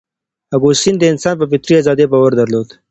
اګوستین د انسان په فطري ازادۍ باور درلود.